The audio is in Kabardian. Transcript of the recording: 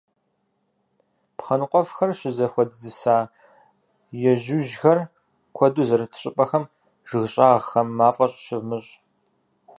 Пхъэ ныкъуэфхэр щызэхуэдзыса, ежьужьхэр куэду зэрыт щӀыпӀэхэм, жыг щӀагъхэм мафӀэ щывмыщӀ.